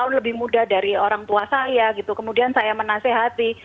jadi saya lebih muda dari orang tua saya gitu kemudian saya menasehati